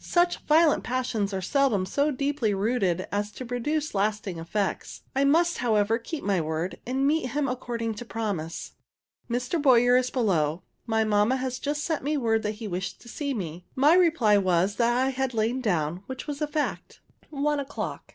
Such violent passions are seldom so deeply rooted as to produce lasting effects. I must, however, keep my word, and meet him according to promise. Mr. Boyer is below. My mamma has just sent me word that he wished to see me. My reply was, that I had lain down, which was a fact. _One o'clock.